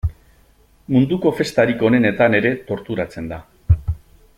Munduko festarik onenetan ere torturatzen da.